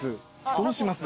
どうします？